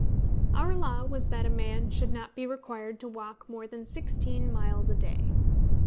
Our law was that a man should not be required to walk more than sixteen miles a day.